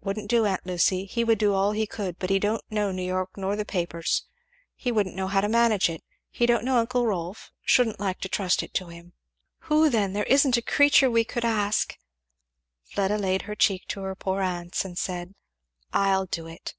"Wouldn't do, aunt Lucy he would do all he could, but he don't know New York nor the papers he wouldn't know how to manage it he don't know uncle Rolf shouldn't like to trust it to him." "Who then? there isn't a creature we could ask " Fleda laid her cheek to her poor aunt's and said, "I'll do it."